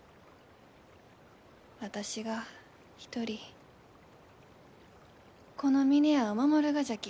私が一人この峰屋を守るがじゃき。